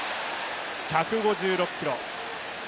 １５６キロ。